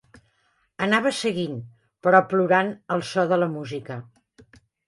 Anava seguint, però plorant al só de la música